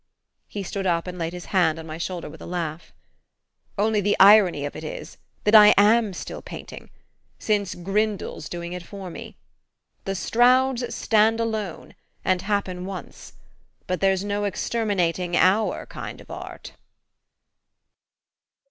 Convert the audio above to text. He stood up and laid his hand on my shoulder with a laugh. "Only the irony of it is that I AM still painting since Grindle's doing it for me! The Strouds stand alone, and happen once but there's no exterminating our kind of art."